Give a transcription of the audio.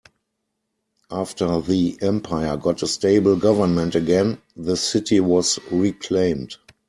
After the empire got a stable government again, the city was reclaimed.